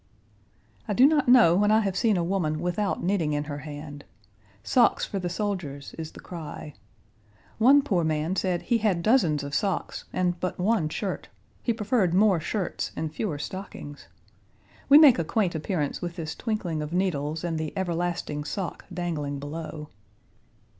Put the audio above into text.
I do not know when I have seen a woman without knitting in her hand. Socks for the soldiers is the cry. One poor man said he had dozens of socks and but one shirt. He preferred more shirts and fewer stockings. We make a quaint appearance with this twinkling of needles and the everlasting sock dangling below.